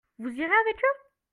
Vous irez avec eux ?